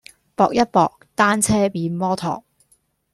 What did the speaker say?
搏一搏，單車變摩托